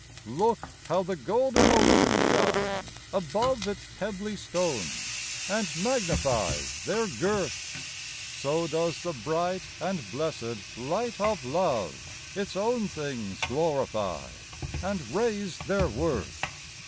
Look how the golden ocean shines above Its pebbly stones, and magnifies their girth; So does the bright and blessed light of Love Its own things glorify, and raise their worth.